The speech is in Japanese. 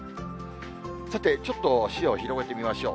さてちょっと足を広げてみましょう。